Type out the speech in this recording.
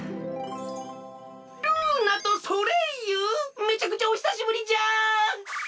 めちゃくちゃおひさしぶりじゃ！